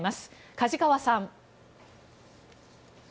梶川さん。